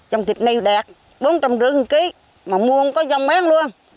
rông thịt này đẹp bốn trăm năm mươi đồng một kg mà mua không có rông bán luôn